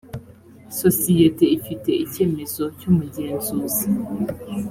sosiyete ifite icyemezo cy umugenzuzi